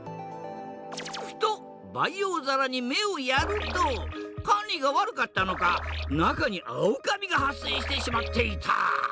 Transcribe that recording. ふと培養皿に目をやると管理が悪かったのか中にアオカビが発生してしまっていた。